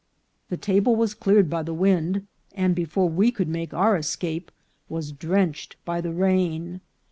The table was cleared by the wind, and, before we could make our escape, was drenched by the rain.